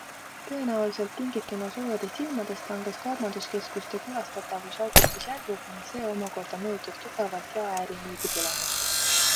Tõenäoliselt tingituna soojadest ilmadest langes kaubanduskeskuste külastatavus augustis järsult ning see omakorda mõjutas tugevalt jaeäri müügitulemust.